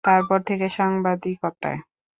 তারপর থেকে সাংবাদিকতায়।